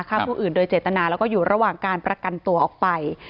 ผู้อื่นโดยเจตนาแล้วก็อยู่ระหว่างการประกันตัวออกไป